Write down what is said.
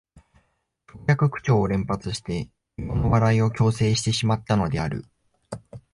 直訳口調を連発して無用の笑いを強制してしまったのである